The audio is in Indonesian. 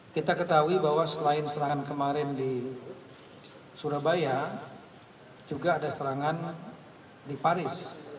kita ketahui bahwa selain serangan kemarin di surabaya juga ada serangan di paris